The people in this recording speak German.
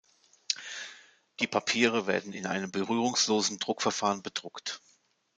Die Papiere werden in einem berührungslosen Druckverfahren bedruckt.